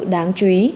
đáng chú ý